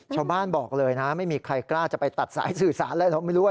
ชาวบ้านบอกเลยนะไม่มีใครกล้าจะไปตัดสายสื่อสารแล้ว